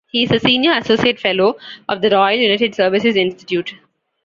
He is a Senior Associate Fellow of the Royal United Services Institute.